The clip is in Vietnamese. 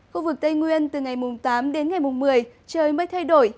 khu vực tây nguyên từ ngày mùng tám đến ngày mùng một mươi trời mới thay đổi